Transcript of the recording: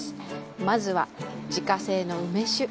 まずは自家製の梅酒。